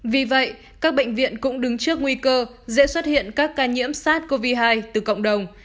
vì vậy các bệnh viện cũng đứng trước nguy cơ dễ xuất hiện các ca nhiễm sars cov hai từ cộng đồng